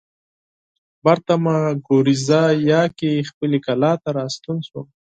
بېرته په ګوریزیا کې خپلې کلا ته راستون شوم.